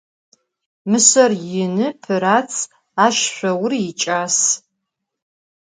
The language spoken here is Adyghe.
Mışser yinı, pırats, aş şsour yiç'as.